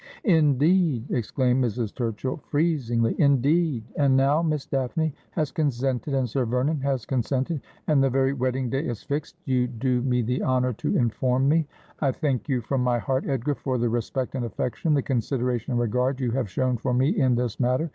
' Indeed !' exclaimed Mrs. Turchill freezingly. ' Indeed ! And now Miss Daphne has consented and Sir Vernon has con sented, and the very wedding day is fixed, you do me the honour to inform me. I thank you from my heart, Edgar, for the respect and affection, the consideration and regard, you have shown for me in this matter.